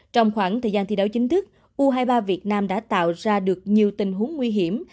trong khoảng thời gian thi đấu chính thức u hai mươi ba việt nam đã tạo ra được nhiều tình huống nguy hiểm